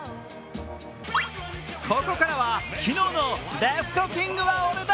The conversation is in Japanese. ここからは、昨日のレフトキングは俺だ！